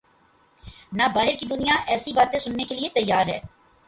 نہ باہر کی دنیا ایسی باتیں سننے کیلئے تیار ہے۔